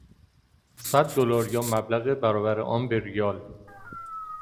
صد دلار یا مبلغ برابر آن به ریال